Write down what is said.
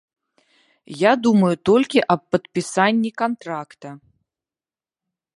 Я думаю толькі аб падпісанні кантракта.